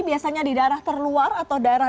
biasanya di daerah terluar atau daerah